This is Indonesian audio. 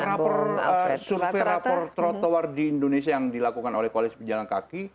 oh rapor survei rapor trotowar di indonesia yang dilakukan oleh kualitas pejalan kaki